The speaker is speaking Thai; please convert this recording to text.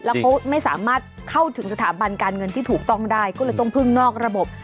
แล้วเขาไม่สามารถเข้าถึงสถาบันการเงินที่ถูกต้องได้ก็เลยต้องพึ่งนอกระบบ